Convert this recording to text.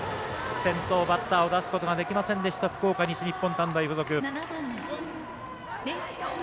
先頭バッターを出すことができませんでした福岡、西日本短大付属。